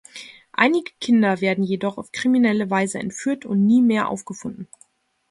Einige Kinder werden jedoch auf kriminelle Weise entführt und nie mehr aufgefunden.